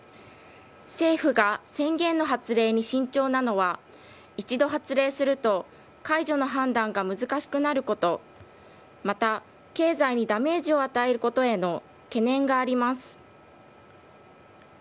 政府が宣言の発令に慎重なのは、一度発令すると、解除の判断が難しくなること、また経済にダメージを与えることへの懸念があります。